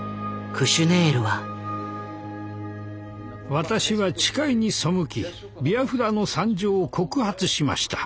私は誓いに背きビアフラの惨状を告発しました。